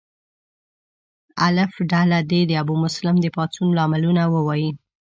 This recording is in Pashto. الف ډله دې د ابومسلم د پاڅون لاملونه ووایي.